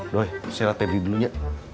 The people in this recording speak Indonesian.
doi saya lihat pebli belunya